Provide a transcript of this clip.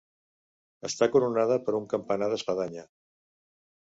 Està coronada per un campanar d'espadanya.